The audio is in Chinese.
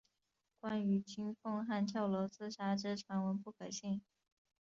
关于金凤汉跳楼自杀之传闻不可信。